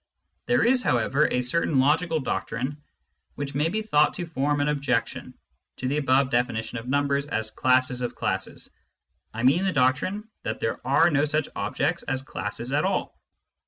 There is, however, a certain logical doctrine which may be thought to form an objection to the above definition of numbers as classes of classes — I mean the doctrine that there are no such objects as classes at all.